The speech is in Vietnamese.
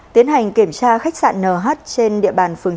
tiến hành kiểm tra khách sạn nh trên địa bàn phường chín